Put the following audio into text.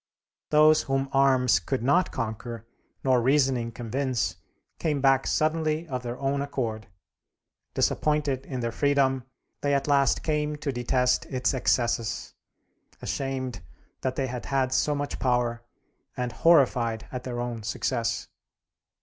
Those whom arms could not conquer, nor reasoning convince, came back suddenly of their own accord: disappointed in their freedom, they at last came to detest its excesses, ashamed that they had had so much power, and horrified at their own success.